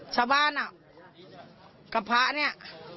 ชาวบ้านอ่ะกับพระเนี่ย